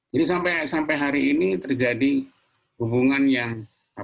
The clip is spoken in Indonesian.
jadi sampai hari ini terjadi hubungan yang